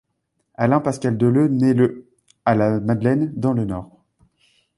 Alain Pascal Deleu naît le à La Madeleine, dans le Nord.